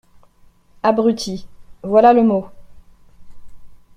Abruti… voilà le mot !…